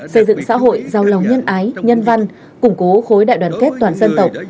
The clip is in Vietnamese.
xây dựng xã hội giàu lòng nhân ái nhân văn củng cố khối đại đoàn kết toàn dân tộc